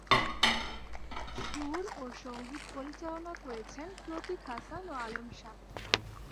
সুর ও সংগীত পরিচালনা করেছেন প্রতীক হাসান ও আলম শাহ।